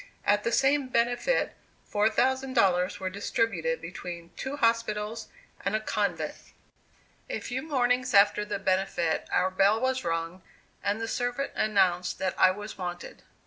At the same benefit $4,000 were distributed between two hospitals and a convent. A few mornings after the benefit our bell was rung, and the servant announced that I was wanted.